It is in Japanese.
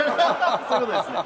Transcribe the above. そういう事ですね。